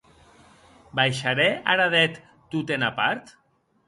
Baisharè ara deth tot ena part?